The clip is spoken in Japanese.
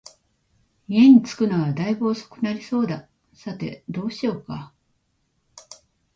家に着くのは大分遅くなりそうだ、さて、どうしようか